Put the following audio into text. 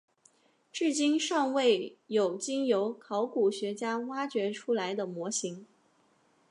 至今尚未有经由考古学家挖掘出来的模型。